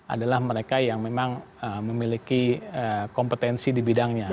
adalah mereka yang memang memiliki kompetensi di bidangnya